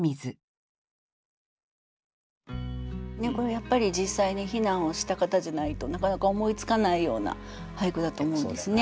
やっぱり実際に避難をした方じゃないとなかなか思いつかないような俳句だと思うんですね。